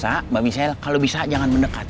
maaf bro mbak michelle kalau bisa jangan mendekat